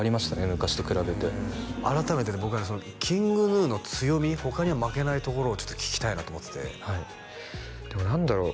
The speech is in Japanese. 昔と比べて改めてね僕ＫｉｎｇＧｎｕの強み他には負けないところをちょっと聞きたいなと思っててでも何だろう？